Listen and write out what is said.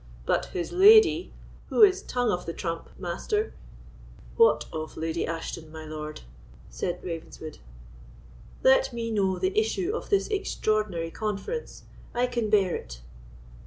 But his lady, who is tongue of the trump, Master——" "What of Lady Ashton, my lord?" said Ravenswood; "let me know the issue of this extraordinary conference: I can bear it."